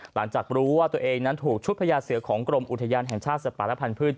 หลังจากรู้ว่าตัวเองนั้นถูกชุดพญาเสือของกรมอุทยานแห่งชาติสัตว์ป่าและพันธุ์